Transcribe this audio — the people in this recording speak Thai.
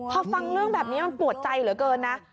พอฟังเรื่องแบบนี้มันปวดใจเหลือเกินนะ